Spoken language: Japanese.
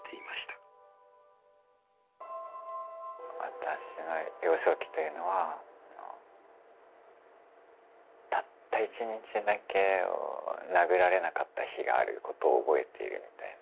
私の幼少期というのはたった１日だけ殴られなかった日があることを覚えているみたいな。